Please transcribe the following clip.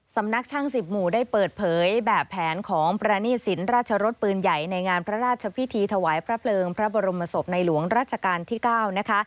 สำนักช่าง๑๐หมู่ได้เปิดเผยแบบแผนของประณีสินราชรสปืนใหญ่ในงานพระราชพิธีถวายพระเพลิงพระบรมศพในหลวงรัชกาลที่๙นะคะ